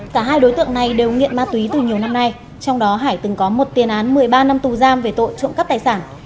cả hai đối tượng này đều nghiện ma túy từ nhiều năm nay trong đó hải từng có một tiền án một mươi ba năm tù giam về tội trộm cắp tài sản